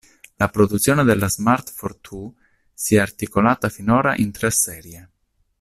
La produzione della "Smart Fortwo" si è articolata finora in tre serie.